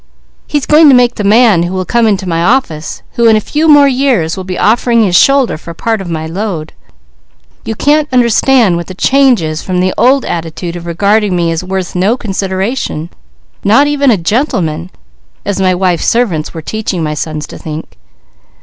He's going to make the man who will come into my office, who in a few more years will be offering his shoulder for part of my load. You can't understand what the change is from the old attitude of regarding me as worth no consideration; not even a gentleman, as my wife's servants were teaching my sons to think.